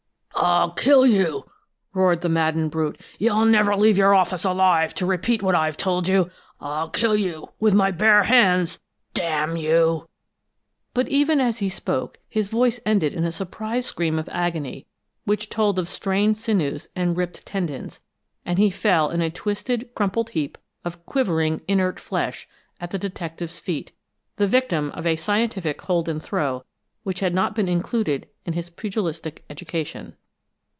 "I'll kill you!" roared the maddened brute. "You'll never leave your office, alive, to repeat what I've told! I'll kill you, with my bare hands, first, d n you!" But even as he spoke, his voice ended in a surprised scream of agony, which told of strained sinews and ripped tendons, and he fell in a twisted, crumpled heap of quivering, inert flesh at the detective's feet, the victim of a scientific hold and throw which had not been included in his pugilistic education.